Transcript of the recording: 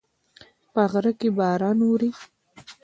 په غره کې باران اوري